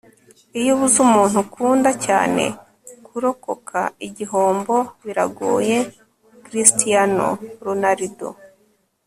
iyo ubuze umuntu ukunda cyane, kurokoka igihombo biragoye - cristiano ronaldo